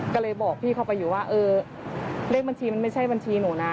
ก็เลยบอกพี่เขาไปอยู่ว่าเออเลขบัญชีมันไม่ใช่บัญชีหนูนะ